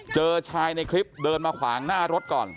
เจอชายในคลิปเดินมาขวางหน้ารถก่อน